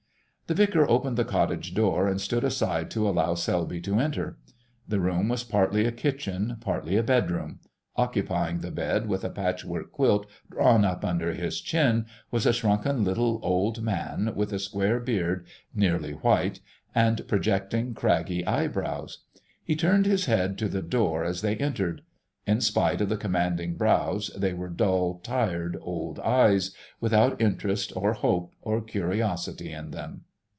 The vicar opened the cottage door, and stood aside to allow Selby to enter. The room was partly a kitchen, partly a bedroom; occupying the bed, with a patchwork quilt drawn up under his chin, was a shrunken little old man, with a square beard nearly white, and projecting craggy eyebrows. He turned his head to the door as they entered; in spite of the commanding brows they were dull, tired old eyes, without interest or hope, or curiosity in them.